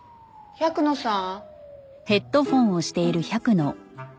百野さん！